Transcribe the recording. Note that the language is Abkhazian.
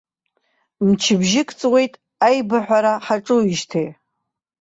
Мчыбжьык ҵуеит аибыҳәара ҳаҿуижьҭеи.